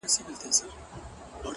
ته خو له هري ښيښې وځې و ښيښې ته ورځې؛